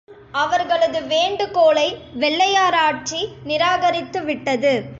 ஆனால், அவர்களது வேண்டுகோளை வெள்ளையராட்சி நிராகரித்து விட்டது.